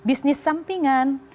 ini untuk bisnis sampingan